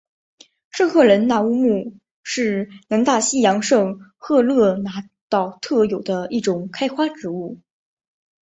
圣赫伦那乌木是南大西洋圣赫勒拿岛特有的一种开花植物。